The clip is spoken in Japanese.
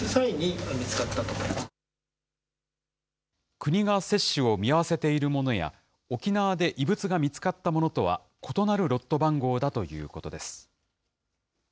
国が接種を見合わせているものや、沖縄で異物が見つかったものとは、異なるロット番号だということです。